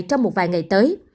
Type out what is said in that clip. trong một vài ngày tới